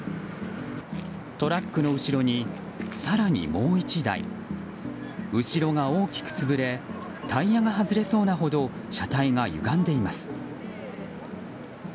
トラックの後ろに更にもう１台後ろが大きく潰れタイヤが外れそうなほど車体がゆがんでいます。